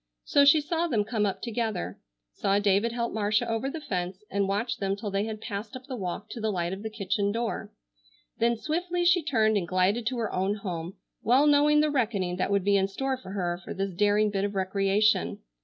So she saw them come up together, saw David help Marcia over the fence and watched them till they had passed up the walk to the light of the kitchen door. Then swiftly she turned and glided to her own home, well knowing the reckoning that would be in store for her for this daring bit of recreation.